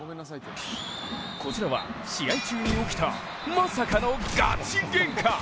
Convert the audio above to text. こちらは、試合中に起きたまさかのガチげんか。